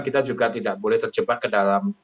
kita juga tidak boleh terjebak ke dalam